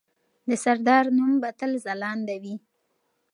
د سردار نوم به تل ځلانده وي.